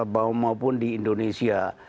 bahwa maupun di indonesia